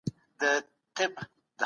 د ربابونو دور به بیا سي